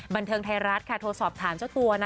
บันเทิงไทยรัฐค่ะโทรสอบถามเจ้าตัว